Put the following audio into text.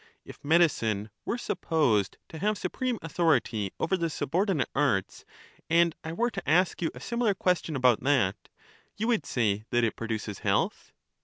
If medicine were supposed to have supreme authority over the subordinate arts, and I were to ask you a similar question about that, you would say that it produces health?